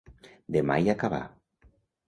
De mai acabar.